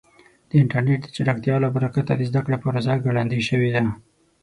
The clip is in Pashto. د انټرنیټ د چټکتیا له برکته د زده کړې پروسه ګړندۍ شوې ده.